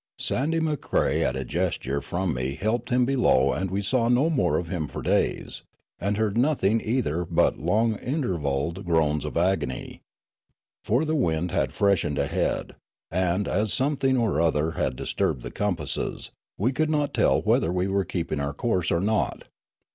Sandy Macrae at a gesture from me helped him below and we saw no more of him for days, and heard nothing either but long intervalled groans of agon} . For the wind had freshened ahead, and, as something or other had disturbed the compasses, we could not tell whether we were keeping our course or not.